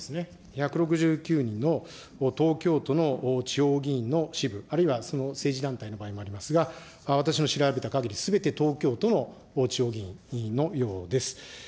１６９人の東京都の地方議員の支部、あるいはその政治団体の場合もありますが、私の調べたかぎり、すべて東京都の地方議員のようです。